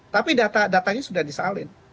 tapi datanya sudah disalin